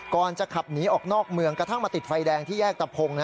ก่อนจะขับหนีออกนอกเมืองกระทั่งมาติดไฟแดงที่แยกตะพง